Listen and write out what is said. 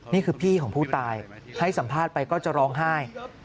นี่คือพี่ของผู้ตายให้สัมภาษณ์ไปก็จะร้องไห้